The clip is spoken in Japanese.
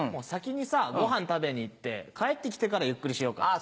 先にごはん食べに行って帰って来てからゆっくりしようか。